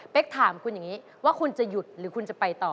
ถามคุณอย่างนี้ว่าคุณจะหยุดหรือคุณจะไปต่อ